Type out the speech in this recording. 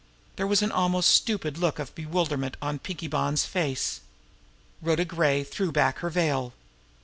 There was an almost stupid look of bewilderment on Pinkie Bonn's face. Rhoda Gray threw back her veil.